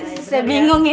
saya bingung ini ya